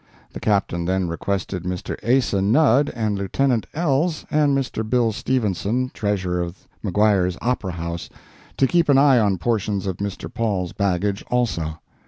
The Captain then requested Mr. Asa Nudd, and Lieutenant Elhs, and Mr. Bill Stephenson, treasurer of Maguire's Opera House, to keep an eye on portions of Mr. Paul's baggage, also.